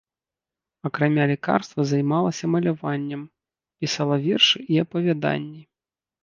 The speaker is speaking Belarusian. Акрамя лекарства займалася маляваннем, пісала вершы і апавяданні.